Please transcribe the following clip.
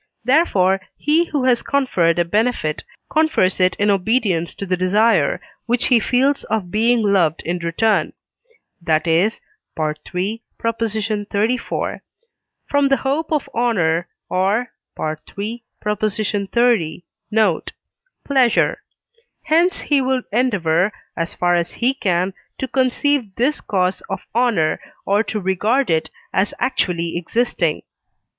Therefore he who has conferred a benefit confers it in obedience to the desire, which he feels of being loved in return; that is (III. xxxiv.) from the hope of honour or (III. xxx. note) pleasure; hence he will endeavour, as far as he can, to conceive this cause of honour, or to regard it as actually existing.